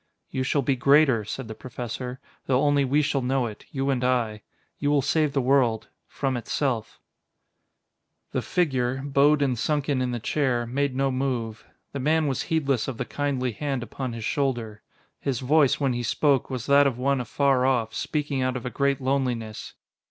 "You shall be greater," said the Professor, "though only we shall know it you and I.... You will save the world from itself." The figure, bowed and sunken in the chair, made no move; the man was heedless of the kindly hand upon his shoulder. His voice, when he spoke, was that of one afar off, speaking out of a great loneliness.